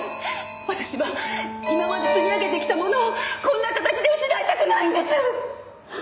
私は今まで積み上げてきたものをこんな形で失いたくないんです！